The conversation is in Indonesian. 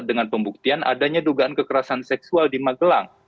dengan pembuktian adanya dugaan kekerasan seksual di magelang